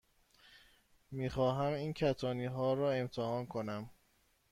می خواهم این کتانی ها را امتحان کنم.